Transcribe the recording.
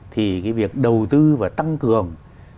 thì cái việc đầu tư và tăng cường